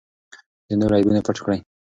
د نورو عیبونه پټ کړئ.